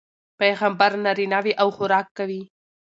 پيغمبر نارينه وي او خوراک کوي